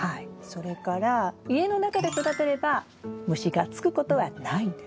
それから家の中で育てれば虫がつくことはないんです。